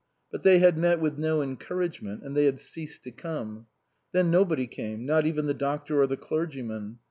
But they had met with no encouragement and they had ceased to come. Then nobody came ; not even the doctor or the clergyman.